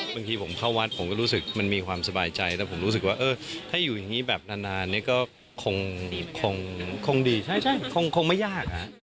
บางทีผมเข้าวัดผมก็รู้สึกมันมีความสบายใจแล้วผมรู้สึกว่าเออถ้าอยู่อย่างนี้แบบนานเนี่ยก็คงดีคงไม่ยาก